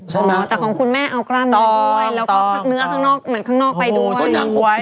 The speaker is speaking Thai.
ใช่ไหมแต่ของคุณแม่เอากล้ามเนื้อด้วยแล้วก็เนื้อข้างนอกเหมือนข้างนอกไปด้วย